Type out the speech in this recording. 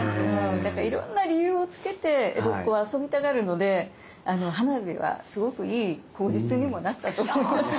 だからいろんな理由をつけて江戸っ子は遊びたがるので花火はすごくいい口実にもなったと思います。